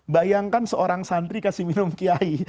bayangkan seorang santri kasih minum kiai